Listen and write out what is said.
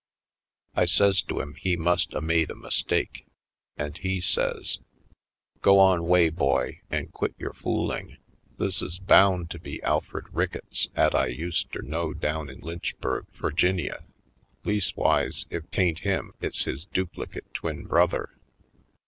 I says to him he must a made a mistake. And he says: *'Go on 'way, boy, an' quit yore foolin'I This is bound to be Alfred Ricketts 'at I uster know down in Lynchburg, Furginia. Harlem Heights 73 Leas'wise, ef 'tain't him it's his duplicate twin brother."